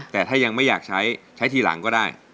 แต่ถ้ายังไม่อยากใช้ใช้ทีหลังก็ได้